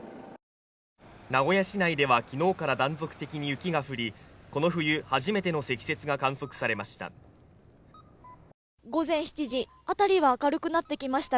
名古屋市内ではきのうから断続的に雪が降りこの冬初めての積雪が観測されました